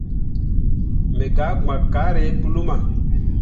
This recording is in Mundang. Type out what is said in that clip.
Me gah gbakke kaare pu luma.